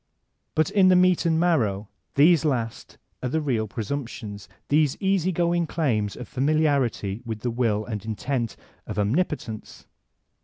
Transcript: *' But m the meat and marrow these last are the real presumptions, Uiese easy going claims of familiarity with the will and intent of Omnipotence.